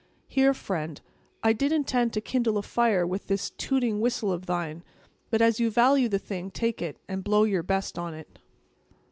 Here, friend; I did intend to kindle a fire with this tooting whistle of thine; but, as you value the thing, take it, and blow your best on it."